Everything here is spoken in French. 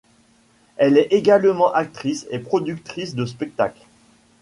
Elle est également actrice et productrice de spectacles.